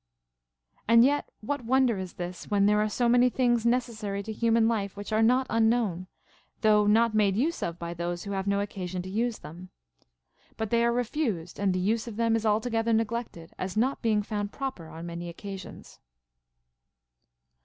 And yet Avhat wonder is this, when there are so many other things necessary to human life which are not unknown, though not made use of by those who have no occasion to use them ] But they are refused, and the use of them is altogether neglected, as not being found proper on many occasions.